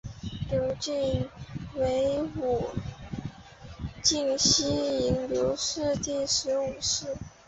刘谨之为武进西营刘氏第十五世。